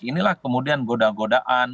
inilah kemudian goda godaan